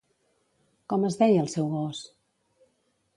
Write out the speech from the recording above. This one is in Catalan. Com es deia el seu gos?